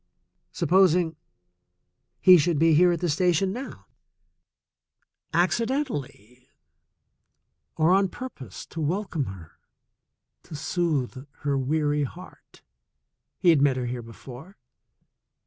Supposing he should be here at the i6o THE SECOND CHOICE station now, accidentally or on purpose, to welcome her, to soothe her weary heart. He had met her here before.